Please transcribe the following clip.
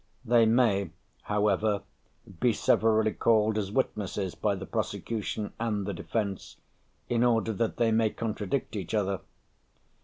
They may, however, be severally called as witnesses by the prosecution and the defence, in order that they may contradict each other.